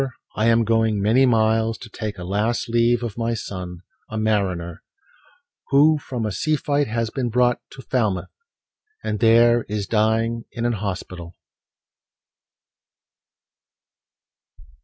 I am going many miles to take A last leave of my son, a mariner, Who from a sea fight has been brought to Falmouth, And there is dying in an hospital."